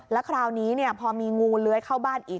แล้วคราวนี้พอมีงูเลื้อยเข้าบ้านอีก